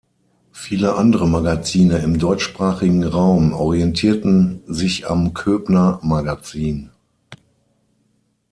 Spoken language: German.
Viele andere Magazine im deutschsprachigen Raum orientierten sich am Koebner-Magazin.